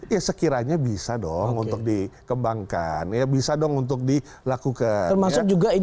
ya sekiranya bisa dong untuk dikembangkan ya bisa dong untuk dilakukan